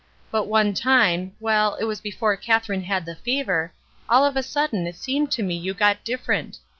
But one time, well, it was before Katherine had the fever, all of a sudden it seemed to me you got different.